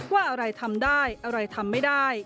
ว่าอะไรทำได้อะไรทำไม่ได้